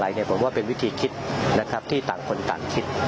ผมว่าเป็นวิธีคิดนะครับที่ต่างคนต่างคิด